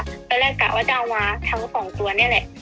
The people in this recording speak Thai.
ก็เลยกลับว่าจะเอามาทั้ง๒ตัวนี่แหละ